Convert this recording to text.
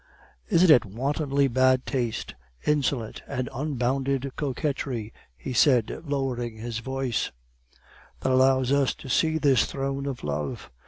"'Isn't it wantonly bad taste, insolent and unbounded coquetry,' he said, lowering his voice, 'that allows us to see this throne of love?